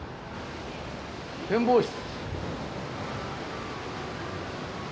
展望室。